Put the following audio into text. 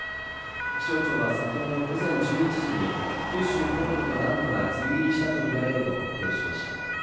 気象庁は先ほど午前１１時に九州北部と南部が梅雨入りしたとみられると発表しました